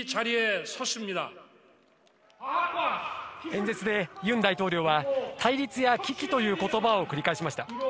演説でユン大統領は対立や危機という言葉を繰り返しました。